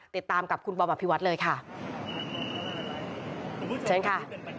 ติดตามกับคุณบอมอภิวัตเลยค่ะเชิญค่ะ